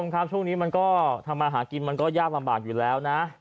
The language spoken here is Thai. ครับช่วงนี้มันก็ทำมาหากินมันก็ยากลำบากอยู่แล้วนะ